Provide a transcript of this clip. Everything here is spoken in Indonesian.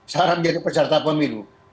syarat menjadi peserta pemilu